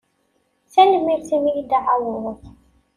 Tanemmirt imi i d-tɛawdeḍ.